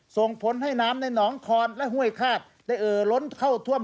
ส่งผลให้น้ำในหนองคอนและห้วยคาดได้เอ่อล้นเข้าท่วม